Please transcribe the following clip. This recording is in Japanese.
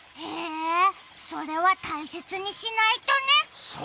へえ、それは大切にしないとね。